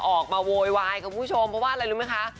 ออกมาโวยวายกับผู้ชมเพราะว่าอะไรรู้มั้ยคะ